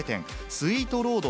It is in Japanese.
スイートロード